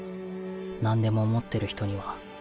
なんでも持ってる人には。